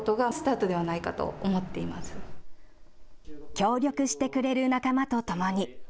協力してくれる仲間とともに。